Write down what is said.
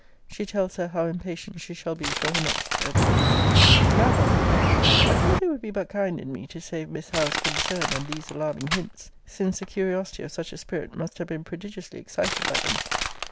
She tells her how impatient she shall be for her next,' &c. Now, Belford, I thought it would be but kind in me to save Miss Howe's concern on these alarming hints; since the curiosity of such a spirit must have been prodigiously excited by them.